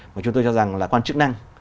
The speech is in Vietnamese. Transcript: mà chúng tôi cho rằng là quan chức năng